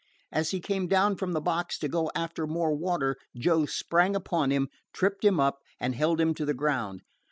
As he came down from the box to go after more water, Joe sprang upon him, tripped him up, and held him to the ground.